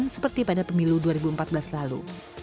seperti pada pemilu dua ribu empat belas lalu